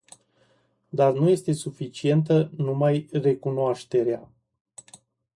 Dar nu este suficientă numai recunoașterea.